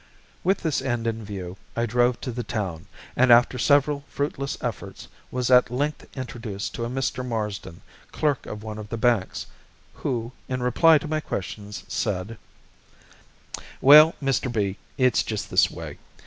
With this end in view, I drove to the town, and after several fruitless efforts was at length introduced to a Mr. Marsden, clerk of one of the banks, who, in reply to my questions, said: "Well, Mr. B , it's just this way.